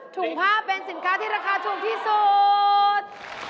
ถุงผ้าเป็นสินค้าที่ราคาถูกที่สุด